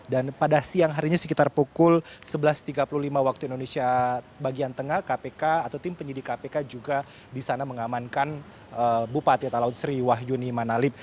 dan pada siang harinya sekitar pukul sebelas tiga puluh lima waktu indonesia bagian tengah kpk atau tim penyidik kpk juga disana mengamankan bupati talaut sri wahyuni manalip